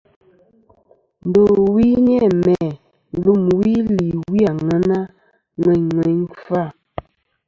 Ndowi ni-a mæ lumwi li wi ŋweyna ŋweyn ŋweyn kfa.